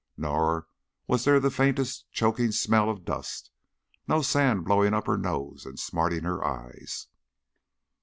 Nor was there the faintest choking smell of dust; no sand blowing up her nose and smarting her eyes.